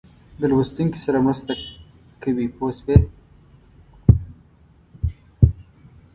د لوستونکي سره مرسته کوي پوه شوې!.